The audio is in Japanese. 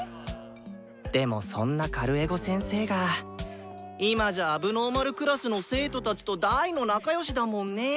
でもそんなカルエゴ先生が今じゃ問題児クラスの生徒たちと大の仲良しだもんねぇー。